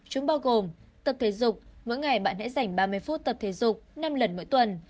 chúng bao gồm tập thể dục mỗi ngày bạn hãy dành ba mươi phút tập thể dục năm lần mỗi tuần